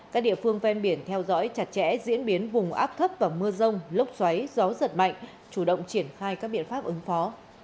các địa phương ven biển theo dõi chặt chẽ diễn biến vùng áp thấp và mưa rông lốc xoáy gió giật mạnh chủ động triển khai các biện pháp ứng phó